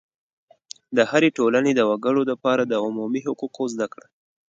د هرې ټولنې د وګړو دپاره د عمومي حقوقو زده کړه